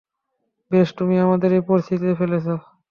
বেশ, তুমিই আমাদের এই পরিস্থিতিতে ফেলেছো।